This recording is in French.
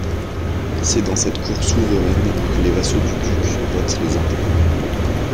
C'est dans cette cour souveraine que les vassaux du duc votent les impôts.